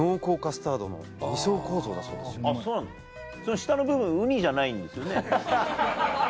下の部分ウニじゃないんですよね？